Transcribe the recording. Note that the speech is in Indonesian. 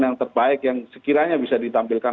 yang terbaik yang sekiranya bisa ditampilkan